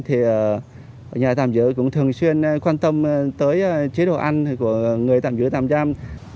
thì nhà tạm giữ cũng thường xuyên quan tâm tới chế độ ăn của người tạm giữ tạm giam